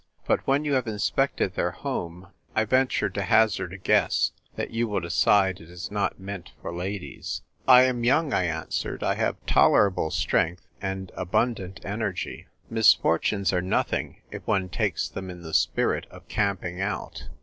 But when you have inspected their home I venture to hazard a guess that you will decide it is not meant for ladies." " I am young," I answered ;" I have toler able strength and abundant energy. Misfor tunes are nothing if one takes them in the spirit of camping out.